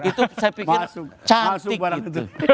itu saya pikir cantik gitu